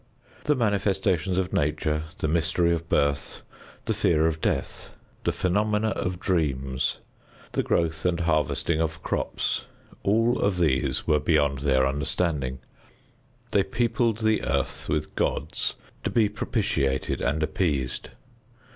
The manifestations of nature, the mystery of birth, the fear of death, the phenomena of dreams, the growth and harvesting of crops all of these were beyond their understanding. They peopled the earth with gods to be propitiated and appeased.